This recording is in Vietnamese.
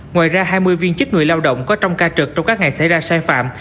ngoài ra hai mươi viên chức người lao động có trong ca trực trong các ngày xảy ra sai phạm